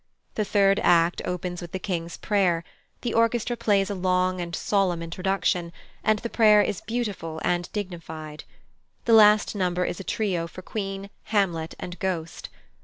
The third act opens with the King's prayer; the orchestra plays a long and solemn introduction, and the prayer is beautiful and dignified. The last number is a trio for Queen, Hamlet, and Ghost.